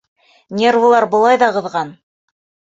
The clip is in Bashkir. Нервылар былай ҙа ҡыҙған!